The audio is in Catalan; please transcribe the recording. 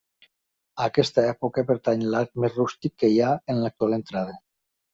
A aquesta època pertany l'arc més rústic que hi ha en l'actual entrada.